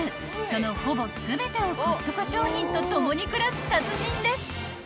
そのほぼ全てをコストコ商品と共に暮らす達人です］